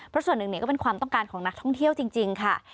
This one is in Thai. เพราะส่วนหนึ่งก็เป็นความต้องการของนักท่องเที่ยวจริงค่ะ